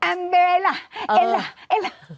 อัมเบลล่ะเอลล่ะเอลล่ะ